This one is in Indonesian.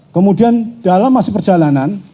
kemudian dalam masih perjalanan